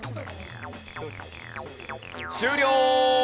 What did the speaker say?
終了。